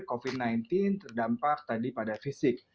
covid sembilan belas terdampak tadi pada fisik